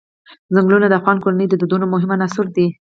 ځنګلونه د افغان کورنیو د دودونو مهم عنصر دی.